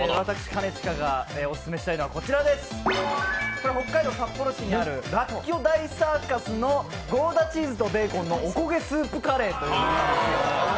これ北海道札幌市にあるらっきょ大サーカスのゴーダチーズとベーコンのおこげスープカレーというものなんです。